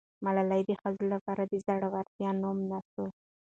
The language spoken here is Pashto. ملالۍ د ښځو لپاره د زړه ورتیا نمونه سوه.